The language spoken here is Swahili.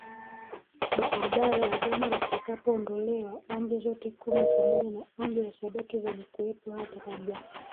baadaye agano litakapoondolewa Amri zote Kumi pamoja na Amri ya Sabato zilikuwepo hata kabla